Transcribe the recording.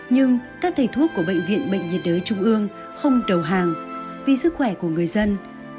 nhưng các thầy thuốc của bệnh viện bệnh nhiệt đới trung ương không đầu hàng vì sức khỏe của người dân